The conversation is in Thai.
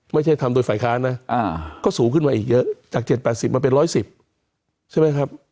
ไม่ใช่ทำโดยฝ่ายค้านนะก็สูงขึ้นมาอีกเยอะจาก๗๘๐มาเป็น๑๑๐ใช่ไหมครับ